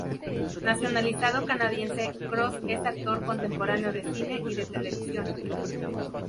Nacionalizado canadiense, Cross es un actor contemporáneo de cine y de televisión.